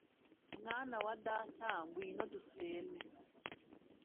mwana wa data ngwino dusene